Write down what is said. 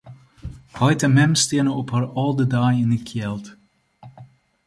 Heit en mem steane op har âlde dei yn 'e kjeld.